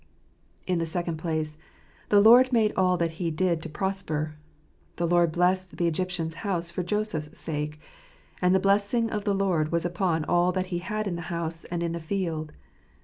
In the second place : w The Lord made all that he did to prosper . The Lord blessed the Egyptian's house for Joseph's sake ; and the blessing of the Lord was upon all that he had in the house, and in the field."